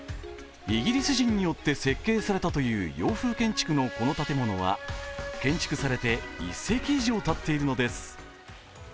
イギリス人によって設計されたという洋風建築のこの建物は、建築されて１世紀以上、たっているのです。